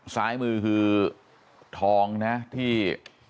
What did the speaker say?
ซ้ายมือคือทองนะที่